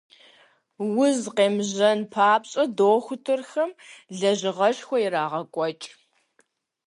Уз къемыжьэн папщӀэ, дохутырхэм лэжьыгъэшхуэ ирагъэкӀуэкӀ.